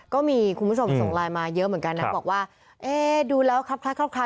ก็มีคุณผู้ชมส่งไลน์มาเยอะเหมือนกันนะบอกว่าเอ๊ะดูแล้วครับคล้ายครับคล้าย